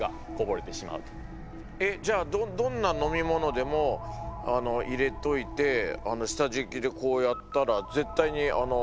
えじゃあどんな飲み物でも入れといて下じきでこうやったら絶対に落ちないんですか？